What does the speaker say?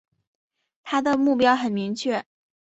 他的目标很明确